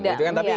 bot atau tidak